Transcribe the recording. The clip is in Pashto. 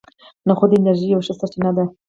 نخود د انرژۍ یوه ښه سرچینه ده.